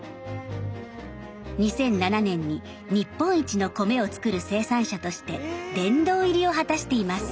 ２００７年に日本一の米を作る生産者として殿堂入りを果たしています。